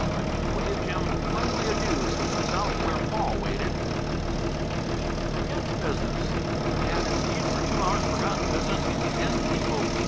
They waved him friendly adieus, and he was out where Paul waited. "Forget business!" He had indeed for two hours forgotten business and people.